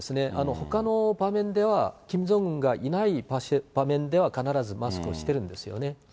ほかの場面では、キム・ジョンウンがいない場面では必ずマスクをしてるんですよね。